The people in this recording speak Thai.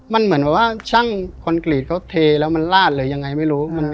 มันเหมือนแบบว่าช่างคอนกรีตเขาเทแล้วมันลาดหรือยังไงไม่รู้